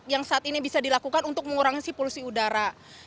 yang saat ini bisa dilakukan untuk mengurangi polusi udara